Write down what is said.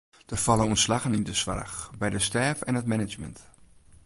Der falle ûntslaggen yn de soarch, by de stêf en it management.